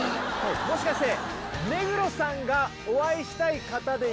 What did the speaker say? もしかして。